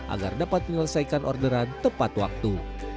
agar dapat menyelesaikan orderan tepat waktu